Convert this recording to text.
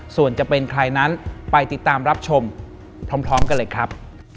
ส่วนจะเป็นใครนั้นไปติดตามรับชมพร้อมกันเลยครับ